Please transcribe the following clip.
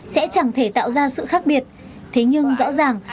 sẽ chẳng thể tạo ra sự khác biệt thế nhưng rõ ràng